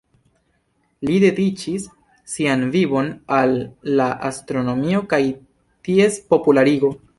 Li dediĉis sian vivon al la astronomio kaj ties popularigo.